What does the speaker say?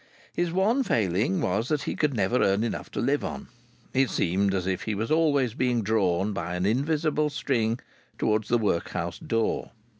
His one failing was that he could never earn enough to live on. It seemed as if he was always being drawn by an invisible string towards the workhouse door.